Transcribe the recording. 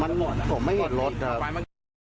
มันหมดผมไม่เห็นรถครับ